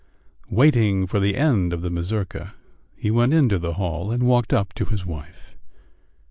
Waiting for the end of the mazurka, he went into the hall and walked up to his wife.